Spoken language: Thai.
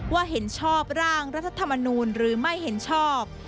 เห็นชอบร่างรัฐธรรมนูลหรือไม่เห็นชอบ